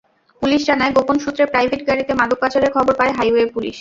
Police জানায়, গোপন সূত্রে প্রাইভেট গাড়িতে মাদক পাচারের খবর পায় হাইওয়ে পুলিশ।